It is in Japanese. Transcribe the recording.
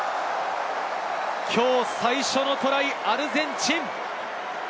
きょう最初のトライ、アルゼンチン。